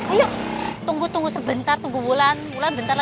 ayo tunggu tunggu sebentar tunggu bulan bulan sebentar